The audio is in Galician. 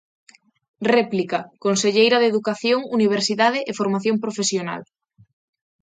Réplica, conselleira de Educación, Universidade e Formación Profesional.